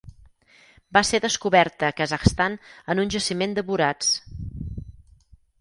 Va ser descoberta Kazakhstan en un jaciment de borats.